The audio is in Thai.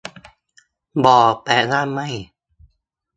บ่ แปลว่า ไม่